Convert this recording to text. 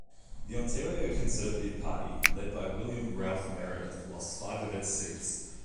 The Ontario Conservative Party, led by William Ralph Meredith lost five of its seats.